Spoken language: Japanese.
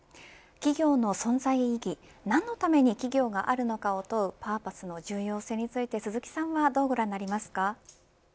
企業の存在意義何のために企業があるのかを問うパーパスの重要性について鈴木さんはどうご覧になりますか。